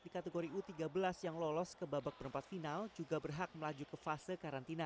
di kategori u tiga belas yang lolos ke babak perempat final juga berhak melaju ke fase karantina